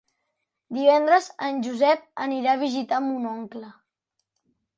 Divendres en Josep anirà a visitar mon oncle.